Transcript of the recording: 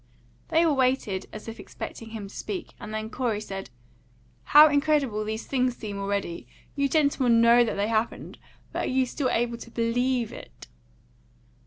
They all waited, as if expecting him to speak, and then Corey said: "How incredible those things seem already! You gentlemen KNOW that they happened; but are you still able to believe it?"